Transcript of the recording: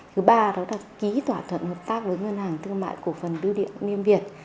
thứ ba đó là ký thỏa thuận hợp tác với ngân hàng thương mại cổ phần đưu điện liên việt